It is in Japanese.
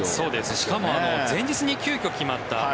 しかも前日に急きょ決まった。